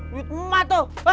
duit emak tuh